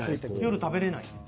夜食べれない。